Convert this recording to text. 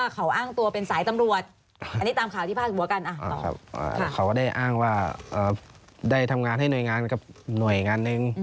เขาก็ได้อ้างว่าได้ทำงานให้หน่วยงานกับหน่วยงานหนึ่ง